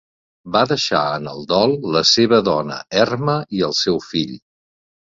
Va deixar en el dol la seva dona Erma i el seu fill.